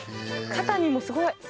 肩にもすごい。